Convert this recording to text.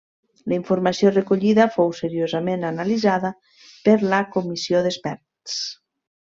La informació recollida fou seriosament analitzada per la Comissió d'Experts.